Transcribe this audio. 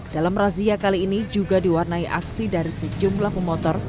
dalam razia kali ini juga diwarnai aksi dari sejumlah pemotor